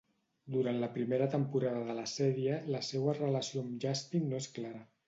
Durant la primera temporada de la sèrie, la seua relació amb Justin no és clara.